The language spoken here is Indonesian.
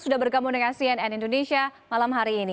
sudah bergabung dengan cnn indonesia malam hari ini